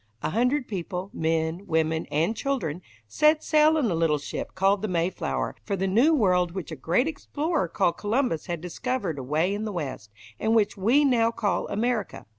A hundred people men, women, and children set sail in a little ship called the Mayflower for the new world which a great explorer called Columbus had discovered away in the west, and which we now call America.